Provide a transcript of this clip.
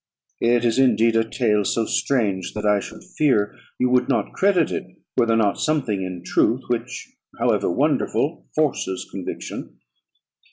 It is indeed a tale so strange, that I should fear you would not credit it, were there not something in truth which, however wonderful, forces conviction.